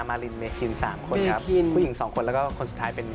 คุณผู้ชมไม่เจนเลยค่ะถ้าลูกคุณออกมาได้มั้ยคะ